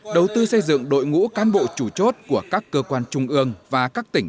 đầu tư xây dựng đội ngũ cán bộ chủ chốt của các cơ quan trung ương và các tỉnh